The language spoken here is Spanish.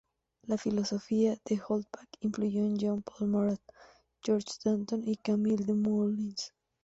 La filosofía de d'Holbach influyó en Jean-Paul Marat, Georges Danton y Camille Desmoulins.